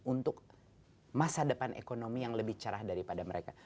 untuk masa depan ekonomi yang lebih cerah daripada mereka